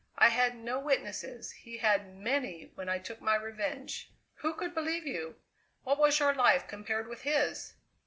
I had no witnesses; he had many when I took my revenge." "Who could believe you? What was your life compared with his?"